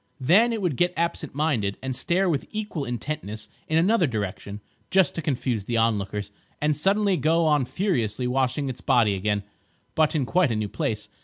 Then it would get absent minded, and stare with equal intentness in another direction (just to confuse the onlookers), and suddenly go on furiously washing its body again, but in quite a new place.